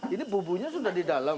ini bubunya sudah di dalam